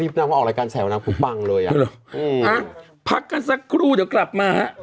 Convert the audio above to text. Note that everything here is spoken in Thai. ปั้งเลยอ่ะอืมอ่ะพักกันสักครู่เดี๋ยวกลับมาฮะ